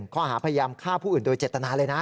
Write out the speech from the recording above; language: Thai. ข้อหาพยายามฆ่าผู้อื่นโดยเจตนาเลยนะ